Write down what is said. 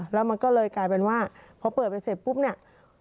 แล้วมันก็เลยกลายเป็นว่าพอเปิดไปเสร็จปุ๊บเนี่ย